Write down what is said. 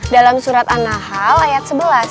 dalam surat an nahl ayat sebelas